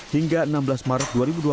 hingga enam belas maret dua ribu dua puluh